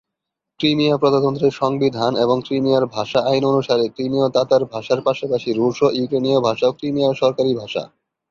Crimea প্রজাতন্ত্রের সংবিধান এবং ক্রিমিয়ার ভাষা আইন অনুসারে, ক্রিমীয় তাতার ভাষার পাশাপাশি রুশ ও ইউক্রেনীয় ভাষাও ক্রিমিয়ার সরকারি ভাষা।